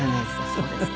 そうですか。